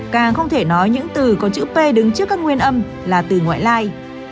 càng không thể nói những từ có chữ p đứng trước các nguyên âm là từ ngoại lai